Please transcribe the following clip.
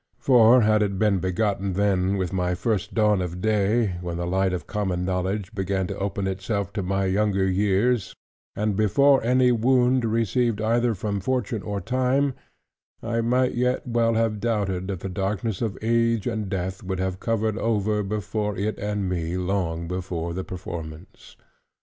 For had it been begotten then with my first dawn of day, when the light of common knowledge began to open itself to my younger years, and before any wound received either from Fortune or Time, I might yet well have doubted that the darkness of Age and Death would have covered over both It and Me, long before the performance.